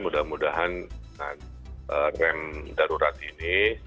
mudah mudahan dengan rem darurat ini